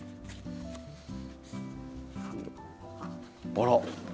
あら！